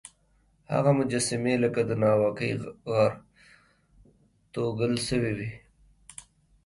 هغه مجسمې لکه د ناوکۍ غر توږل سوی وې.